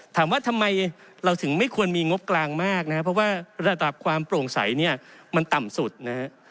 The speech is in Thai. ถามว่าทำไมเราถึงไม่ควรมีงบกลางมากนะครับเพราะว่าระดับความโปร่งใสเนี่ยมันต่ำสุดนะฮะ